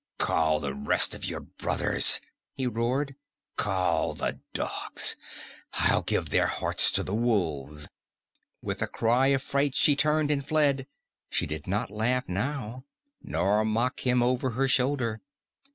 "Call the rest of your brothers!" he roared. "Call the dogs! I'll give their hearts to the wolves!" With a cry of fright she turned and fled. She did not laugh now, nor mock him over her shoulder.